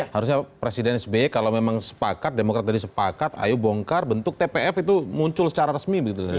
harusnya presiden sby kalau memang sepakat demokrat tadi sepakat ayo bongkar bentuk tpf itu muncul secara resmi begitu